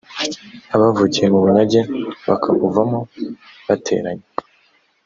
abavukiye mu bunyage bakabuvamo bateranye